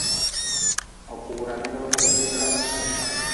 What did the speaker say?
Ba kugra nidba ba kpiidra.